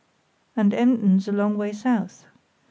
"And Emden's a long way south.